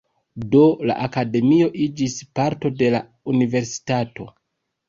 Do, la akademio iĝis parto de la universitato.